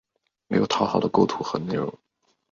没有讨好的构图与内容